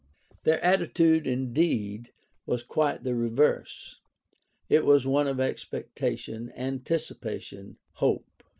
Their attitude, indeed, was quite the reverse; it was one of expecta tion, anticipation, hope.